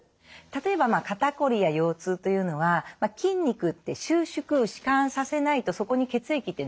例えば肩こりや腰痛というのは筋肉って収縮弛緩させないとそこに血液って流れないんですよね。